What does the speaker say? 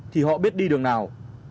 thì họ biết đi đường nào